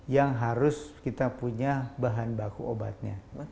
yang harus kita punya bahan baku obatnya